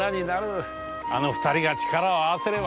あの二人が力を合わせればな。